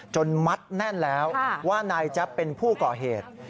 มัดแน่นแล้วว่านายแจ๊บเป็นผู้ก่อเหตุ